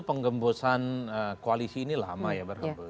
penggembosan koalisi ini lama ya